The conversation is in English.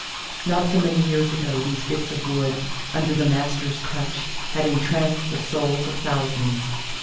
Not so many years ago these bits of wood, under the master's touch, had entranced the souls of thousands.